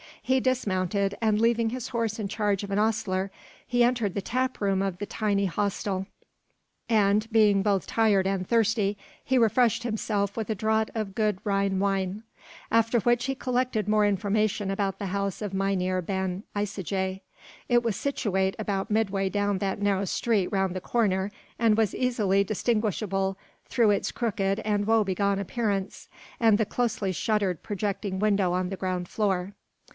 He dismounted and leaving his horse in charge of an ostler, he entered the tap room of the tiny hostel and, being both tired and thirsty, he refreshed himself with a draught of good Rhyn wine. After which he collected more information about the house of Mynheer Ben Isaje. It was situate about midway down that narrow street round the corner, and was easily distinguishable through its crooked and woe begone appearance, and the closely shuttered projecting window on the ground floor.